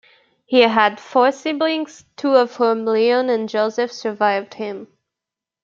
He had four siblings, two of whom, Leon and Joseph, survived him.